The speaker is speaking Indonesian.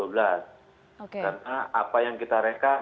karena apa yang kita rekam